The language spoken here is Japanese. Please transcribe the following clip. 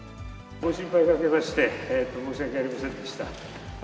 ご心配かけまして、申し訳ありませんでした。